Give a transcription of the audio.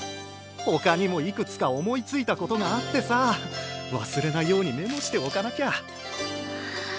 ほかにもいくつか思いついたことがあってさ。忘れないようにメモしておかなきゃ。